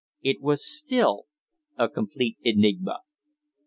It was still a complete enigma.